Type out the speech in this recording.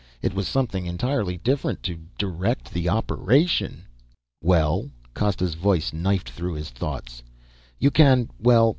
It was something entirely different to direct the operation. "Well?" Costa's voice knifed through his thoughts. "You can ... well